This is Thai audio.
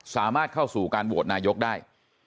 สามารถเข้าสู่การโหวตนายกได้